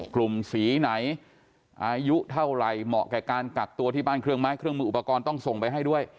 กลุ่มสีไหนอายุเท่าไหร่เหมาะแก่การกักตัวที่บ้านเครื่องไม้เครื่องมืออุปกรณ์ต้องส่งไปให้ด้วย